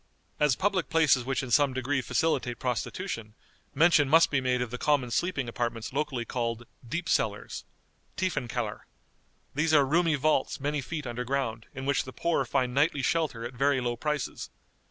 As public places which in some degree facilitate prostitution, mention must be made of the common sleeping apartments locally called "deep cellars" (tiefen kellar). These are roomy vaults, many feet under ground, in which the poor find nightly shelter at very low prices.